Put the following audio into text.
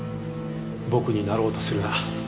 僕になろうとするな。